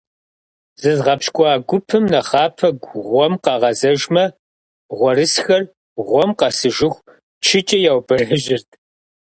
ЗызгъэпщкӀуа гупым нэхъапэ гъуэм къагъэзэжмэ, гъуэрысхэр гъуэм къэсыжыху чыкӀэ яубэрэжьырт.